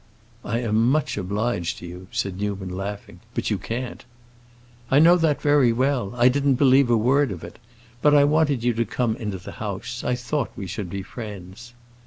"I am much obliged to you," said Newman, laughing; "but you can't." "I know that very well; I didn't believe a word of it. But I wanted you to come into the house; I thought we should be friends."